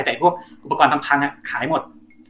แต่อุปกรณ์ภังขายหมด